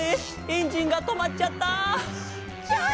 エンジンが止まっちゃったー！」